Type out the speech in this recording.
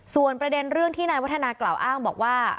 ส่วนประเด็นเรื่องที่นายวัฒนากล่าวอ้างบอกว่า